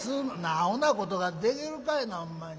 アホなことができるかいなほんまに。